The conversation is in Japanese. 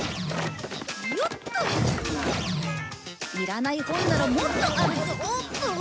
いらない本ならもっとあるぞ！